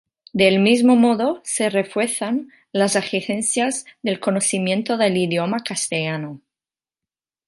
Del mismo modo, se refuerzan las exigencias en el conocimiento del idioma castellano.